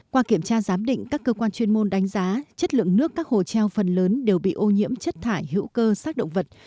qua kiểm tra giám định các cơ quan chuyên môn đánh giá chất lượng nước các hồ treo phần lớn đều bị ô nhiễm chất thải hữu cơ sát động vật